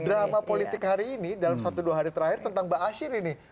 drama politik hari ini dalam satu dua hari terakhir tentang ⁇ asyir ⁇ ini